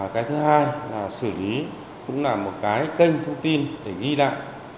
cái thứ hai là xử lý cũng là một cái kênh thông tin để ghi lại